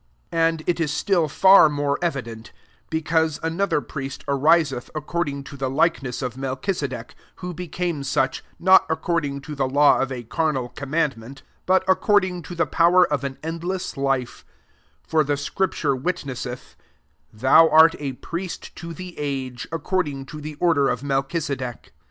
15 And it is still far more evident; be cause another priest ariseth ac cording to the likeness of Mel chisedec, 16 who became tticA) not according to the law of a carnal commandment, but ac cording to the power of an end less life; 17 for the acri/iture wit nesseth, " Thou art a priest to the age, according to the prdcr of Melchisedec.